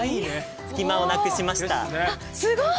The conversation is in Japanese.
隙間をなくしました。ですね。ね